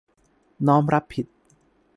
น้อมรับผิด